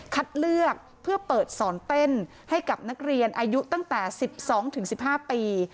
เลือกเพื่อเปิดสอนเต้นให้กับนักเรียนอายุตั้งแต่๑๒๑๕ปี